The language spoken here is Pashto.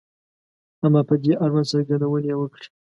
• اما په دې اړوند څرګندونې یې وکړې.